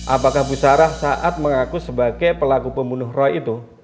apakah pusara saat mengaku sebagai pelaku pembunuh roy itu